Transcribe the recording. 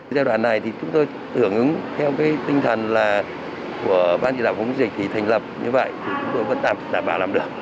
giai đoạn này chúng tôi tưởng ứng theo tinh thần của ban chỉ đạo phóng dịch thì thành lập như vậy chúng tôi vẫn đảm bảo làm được